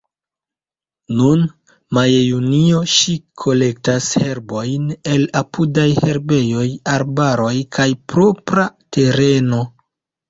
Nun, maje-junie, ŝi kolektas herbojn el apudaj herbejoj, arbaroj kaj propra tereno.